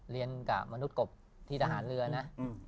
เรียนกับมนุษย์กบที่ทหารเรือนะ